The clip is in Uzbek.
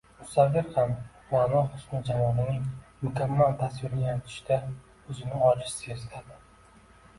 musavvir ham Ra’no husni-jamolining mukammal tasvirini yaratishda o’zini ojiz sezadi